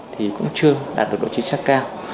thì cũng chưa đạt được độ chính xác cao